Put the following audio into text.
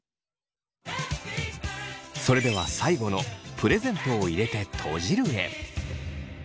それでは最後のプレゼントを入れて閉じるへ。